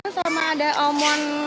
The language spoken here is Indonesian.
ini bolen sama ada almond